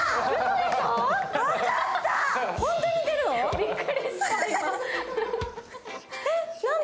びっくりした、今。